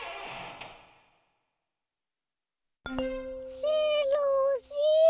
しろしろ。